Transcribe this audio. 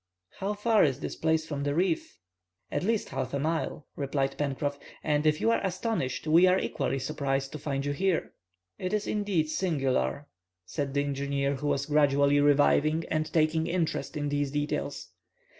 "How far is this place from the reef?" "At least half a mile," replied Pencroff, "and if you are astonished, we are equally surprised to find you here." "It is indeed singular," said the engineer, who was gradually reviving and taking interest in these details.